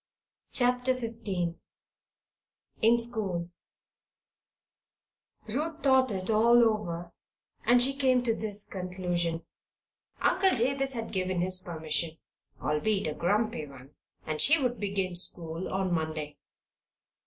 CHAPTER XV IN SCHOOL Ruth thought it all over, and she came to this conclusion: Uncle Jabez had given his permission albeit a grumpy one and she would begin school on Monday.